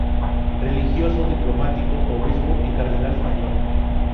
Religioso, diplomático, obispo y cardenal español.